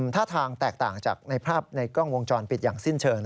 ท่าทางแตกต่างจากในภาพในกล้องวงจรปิดอย่างสิ้นเชิง